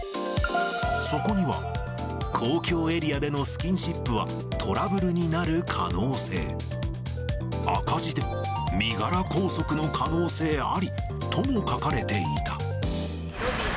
そこには、公共エリアでのスキンシップは、トラブルになる可能性。赤字で、身柄拘束の可能性ありとも書かれていた。